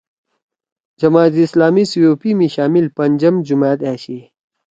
جماعت اسلامی COP می شامل پنجم جماعت أشی